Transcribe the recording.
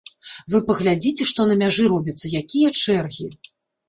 Вы паглядзіце, што на мяжы робіцца, якія чэргі!